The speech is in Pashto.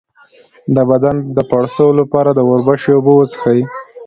د بدن د پړسوب لپاره د وربشو اوبه وڅښئ